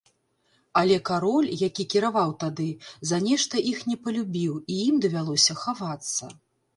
Але кароль, які кіраваў тады, за нешта іх не палюбіў і ім давялося хавацца.